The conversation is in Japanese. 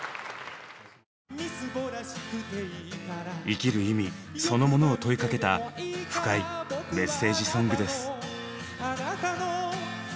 生きる意味そのものを問いかけた深いメッセージソングです。